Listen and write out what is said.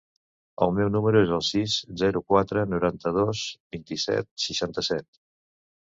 El meu número es el sis, zero, quatre, noranta-dos, vint-i-set, seixanta-set.